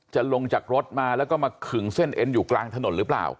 ลงจากรถมาแล้วก็มาขึงเส้นเอ็นอยู่กลางถนนหรือเปล่า